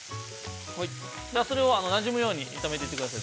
それをなじむように炒めていってください。